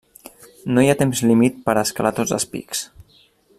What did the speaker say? No hi ha temps límit per a escalar tots els pics.